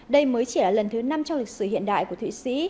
đây mới chỉ là lần thứ năm trong lịch sử hiện đại của thụy sĩ